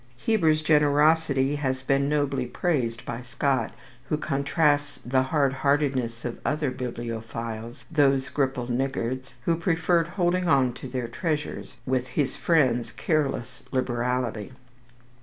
Heber's generosity has been nobly praised by Scott, who contrasts the hard heartedness of other bibliophiles, those "gripple niggards" who preferred holding on to their treasures, with his friend's careless liberality.